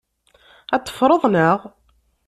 Ad t-teffreḍ, naɣ?